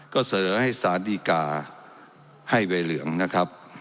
ก็เสริมให้สาธิกาให้ไว้เหลืองนะครับ